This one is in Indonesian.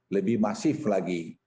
lebih masif lagi